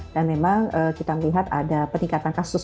dan memang kita melihat ada peningkatan kasus